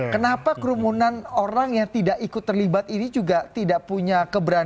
kenapa kerumunan orang yang tidak ikut terlibat ini juga tidak punya keberanian